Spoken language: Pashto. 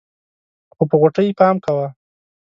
خو په غوټۍ پام کوه.